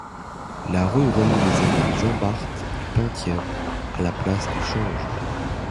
La rue relie les allées Jean-Bart et Penthièvre à la place du Change.